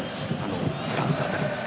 フランスあたりですか？